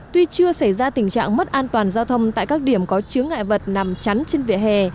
tuy chưa xảy ra tình trạng mất an toàn giao thông tại các điểm có chứa ngại vật nằm chắn trên vỉa hè